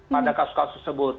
pada kasus kasus tersebut